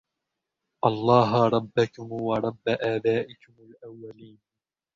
اللَّهَ رَبَّكُمْ وَرَبَّ آبَائِكُمُ الْأَوَّلِينَ